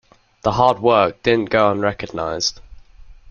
The hard work didn't go unrecognized.